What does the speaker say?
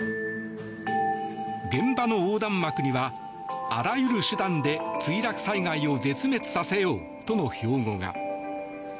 現場の横断幕には「あらゆる手段で墜落災害を絶滅させよう」との標語が。